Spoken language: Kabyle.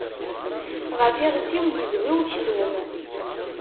Ɣef iɣes-iw yezwi uksum.